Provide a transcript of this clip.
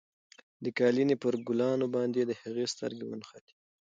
د قالینې پر ګلانو باندې د هغې سترګې ونښتې.